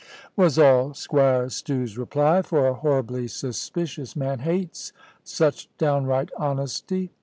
was all Squire Stew's reply, for a horribly suspicious man hates such downright honesty.